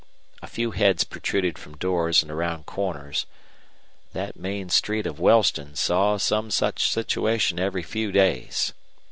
A few heads protruded from doors and around corners. That main street of Wellston saw some such situation every few days.